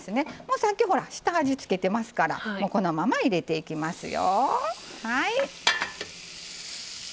さっき、下味付けてますからこのまま入れていきますよ。